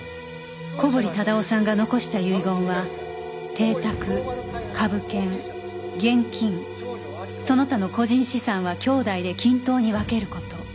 小堀忠夫さんが残した遺言は邸宅株券現金その他の個人資産は姉弟で均等に分ける事